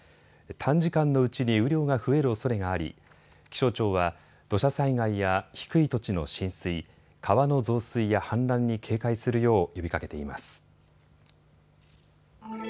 短時間のうちに雨量が増えるおそれがあり気象庁は土砂災害や低い土地の浸水、川の増水や氾濫に警戒するよう呼びかけています。